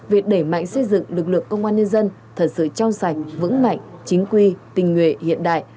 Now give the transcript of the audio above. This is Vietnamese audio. việc đẩy mạnh xây dựng lực lượng công an nhân dân thật sự trong sạch vững mạnh chính quy tình nguyện hiện đại